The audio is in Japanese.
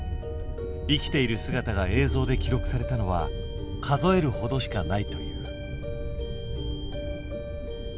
生きている姿が映像で記録されたのは数える程しかないという。